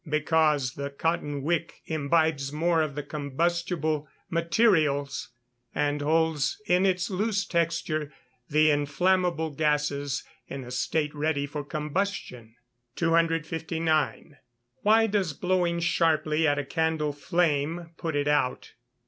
_ Because the cotton wick imbibes more of the combustible materials, and holds in its loose texture the inflammable gases in a state ready for combustion. 259. _Why does blowing sharply at a candle flame put it out?